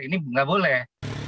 ini nggak boleh